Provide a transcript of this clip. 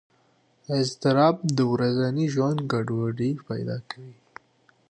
اضطراب د ورځني ژوند ګډوډۍ پیدا کوي.